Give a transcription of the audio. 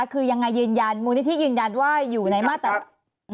คือยังไงยืนยันมูลนิธิยืนยันว่าอยู่ในมาตรา